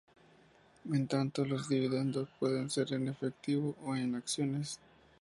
En tanto, los dividendos pueden ser en efectivo o en acciones.